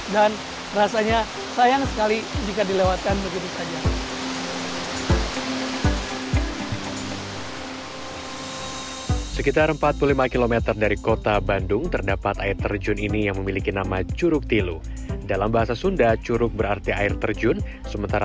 dan rasanya sayang sekali jika dilewatkan begitu saja